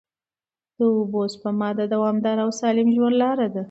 د اوبو سپما د دوامدار او سالم ژوند لاره ده.